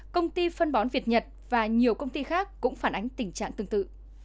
công ty phân bón việt nhật và nhiều công ty khác cũng phản ánh tình trạng tương tự